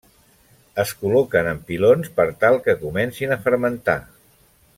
Es col·loquen en pilons per tal que comencin a fermentar.